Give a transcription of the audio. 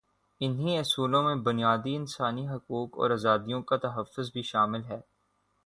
انہی اصولوں میں بنیادی انسانی حقوق اور آزادیوں کا تحفظ بھی شامل ہے۔